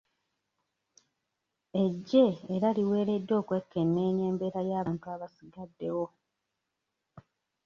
Eggye era liweereddwa okwekenneenya embeera y'abantu abasigaddewo.